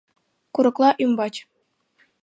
Курыкла ӱмбач